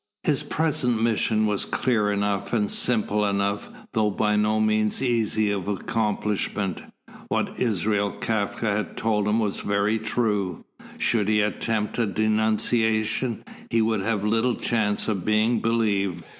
His present mission was clear enough and simple enough, though by no means easy of accomplishment. What Israel Kafka had told him was very true. Should he attempt a denunciation, he would have little chance of being believed.